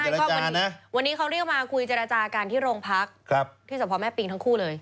ใช่ก็วันนี้เขาเรียกมาคุยเจรจากันที่โรงพักที่สพแม่ปิงทั้งคู่เลย